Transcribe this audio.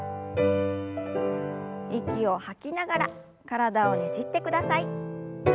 息を吐きながら体をねじってください。